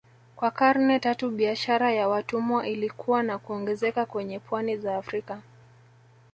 Kwa karne tatu biashara ya watumwa ilikua na kuongezeka kwenye pwani za Afrika